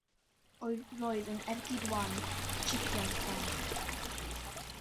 Roedd yn ergyd wan, tsipiad bach.